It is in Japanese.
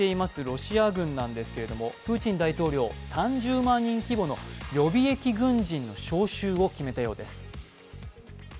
ロシア軍なんですけれどもプーチン大統領３０万人規模の予備役軍人の招集を決めたようです。